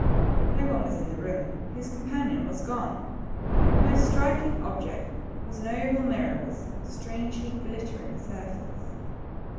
No one was in the room. His companion was gone. The most striking object was an oval mirror with strangely glittering surface.